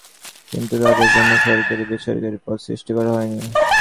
কিন্তু তাঁদের জন্য সরকারি বেসরকারি পদ সৃষ্টি করা হয়নি।